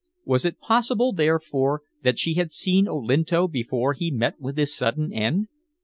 Was it possible, therefore, that she had seen Olinto before he met with his sudden end?